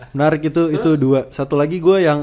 menarik itu itu dua satu lagi gue yang